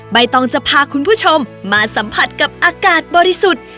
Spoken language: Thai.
ใบตองจะพาคุณผู้ชมมาสัมผัสกับอากาศบริสุทธิ์